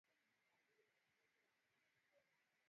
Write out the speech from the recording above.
matumizi ya dawa za kupunguza makali ya ukimwi